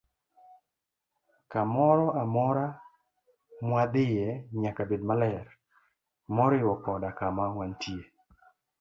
Kamoro amora mwadhiye nyaka bed maler, moriwo koda kama wantie.